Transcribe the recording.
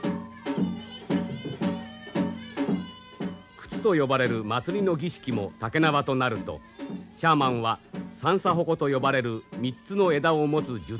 巫祭と呼ばれる祭りの儀式もたけなわとなるとシャーマンは三叉鉾と呼ばれる３つの枝を持つ呪刀を取り出す。